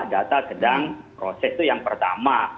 data sedang proses itu yang pertama